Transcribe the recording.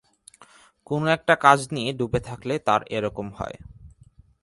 কোনো-একটা কাজ নিয়ে ডুবে থাকলে তাঁর এ-রকম হয়।